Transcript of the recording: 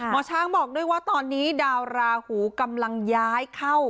หมอช้างบอกด้วยว่าตอนนี้ดาวราหูกำลังย้ายเข้า